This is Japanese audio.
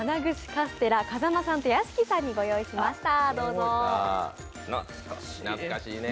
カステラ風間さんと屋敷さんにご用意しました。